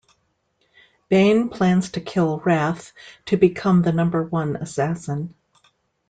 Bain plans to kill Rath to become the number one assassin.